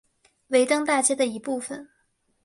维登大街的一部分。